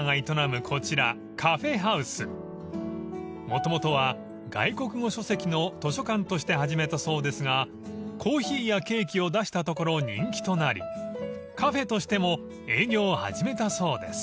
［もともとは外国語書籍の図書館として始めたそうですがコーヒーやケーキを出したところ人気となりカフェとしても営業を始めたそうです］